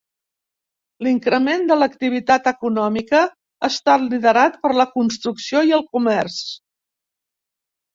L'increment de l'activitat econòmica ha estat liderat per la construcció i el comerç.